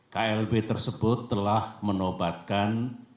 klb tersebut telah menobatkan